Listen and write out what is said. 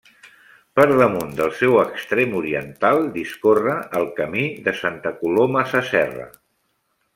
Per damunt del seu extrem oriental discorre el Camí de Santa Coloma Sasserra.